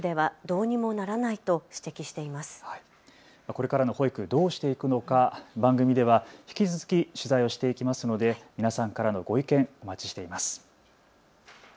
これからの保育、どうしていくのか番組では引き続き取材をしていきますので皆さんからのご意見、お待ちしております。